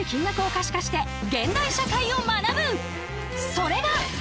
それが。